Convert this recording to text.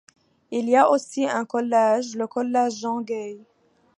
Il y a aussi un collège, le collège Jean-Gay.